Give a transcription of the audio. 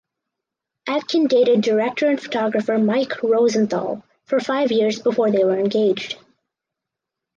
Atkin dated director and photographer Mike Rosenthal for five years before they were engaged.